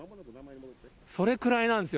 それくらいなんですよ。